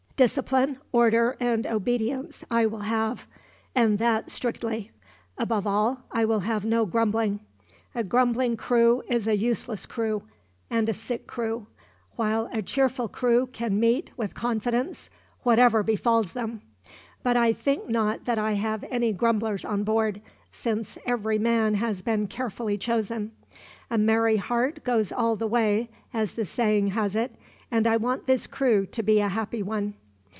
Discipline, order, and obedience I will have, and that strictly. Above all, I will have no grumbling. A grumbling crew is a useless crew, and a sick crew; while a cheerful crew can meet, with confidence, whatever befalls them; but I think not that I have any grumblers on board, since every man has been carefully chosen. A merry heart goes all the way, as the saying has it, and I want this crew to be a happy one.